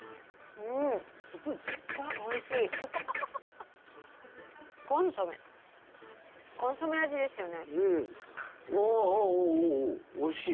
うんおいしいよね